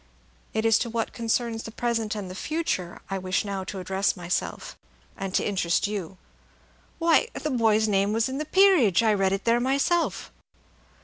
It is to what concerns the present and the future I wish now to address myself, and to interest you." "Why, the boy's name was in the Peerage, I read it there myself."